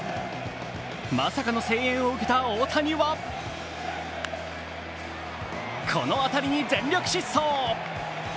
まさかの声援を受けた大谷はこの当たりに全力疾走。